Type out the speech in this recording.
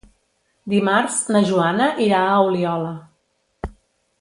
Dimarts na Joana irà a Oliola.